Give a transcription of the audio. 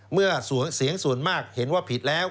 เมื่อเสียงส่วนมากเห็นว่าผิดแล้ว